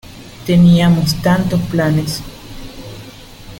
Teníamos tantos planes.